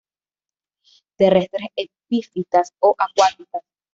Terrestres, epífitas o acuáticas.